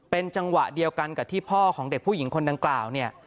เป็นจังหวะเดียวกันกับที่พ่อของเด็กผู้หญิงคนดังกล่าวเนี่ย